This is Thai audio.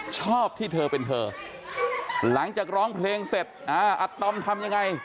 ชอบที่เธอเป็นเธอหลังจากร้องเพลงเสร็จอัตตอมทำยังไง